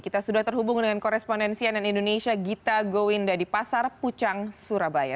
kita sudah terhubung dengan korespondensi ann indonesia gita gowinda di pasar pucang surabaya